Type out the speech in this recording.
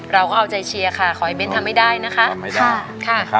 เราก็เอาใจเชียร์ค่ะขอให้เบ้นทำให้ได้นะคะ